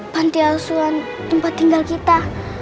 panti asuhan tempat tinggal kita